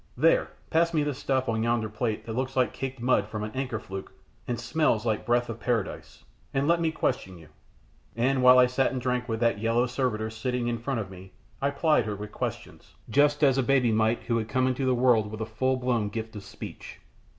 There, pass me the stuff on yonder platter that looks like caked mud from an anchor fluke, and swells like breath of paradise, and let me question you;" and while I sat and drank with that yellow servitor sitting in front of me, I plied her with questions, just as a baby might who had come into the world with a full blown gift of speech.